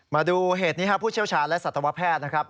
มาดูเหตุนี้ครับผู้เชี่ยวชาญและสัตวแพทย์นะครับ